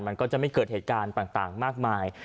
มันก็จะไม่เกิดเหตุการณ์ต่างมากมาย